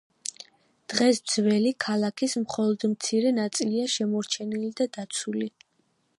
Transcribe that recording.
დღეს ძველი ქალაქის მხოლოდ მცირე ნაწილია შემორჩენილი და დაცული.